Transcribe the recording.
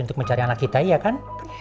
untuk mencari anak kita iya kan